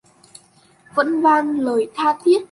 Vẫn vang lời tha thiết